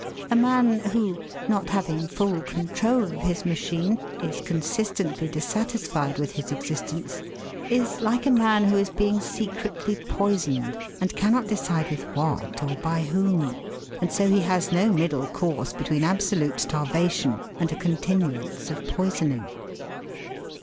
A man who, not having full control of his machine, is consistently dissatisfied with his existence, is like a man who is being secretly poisoned and cannot decide with what or by whom. And so he has no middle course between absolute starvation and a continuance of poisoning.